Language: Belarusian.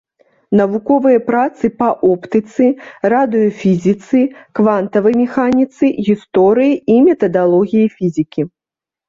Навуковыя працы па оптыцы, радыёфізіцы, квантавай механіцы, гісторыі і метадалогіі фізікі.